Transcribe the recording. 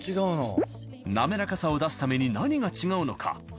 なめらかさを出すために何が違うのか？